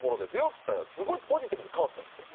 っつったらすごいポジティブに変わったんですよ。